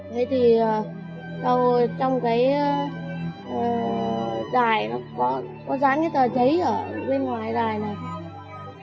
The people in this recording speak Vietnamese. thế thì trong cái đài nó có dán cái tờ giấy ở bên ngoài đài này